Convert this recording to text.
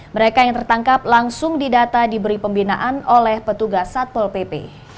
mereka yang tertangkap langsung didata diberi pembinaan oleh petugas satpol pp